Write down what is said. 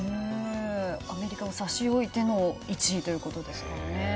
アメリカを差し置いての１位ということですからね。